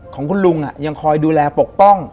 ของคุณลุงยังคอยดูแลปกป้อง